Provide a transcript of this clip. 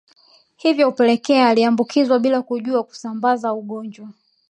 Hivyo hupelekea aliyeambukizwa bila kujua kusambaza ugonjwa